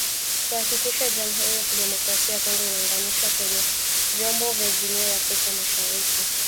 Kuhakikisha Jamuhuri ya Kidemokrasia ya Kongo inaunganishwa kwenye vyombo vya Jumuiya ya Afrika Mashariki